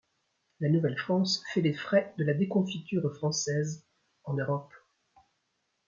La Nouvelle-France fait les frais de la déconfiture française en Europe.